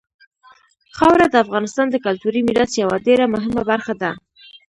خاوره د افغانستان د کلتوري میراث یوه ډېره مهمه برخه ده.